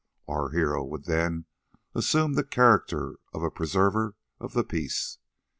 Our hero would then assume the character of a preserver of the peace.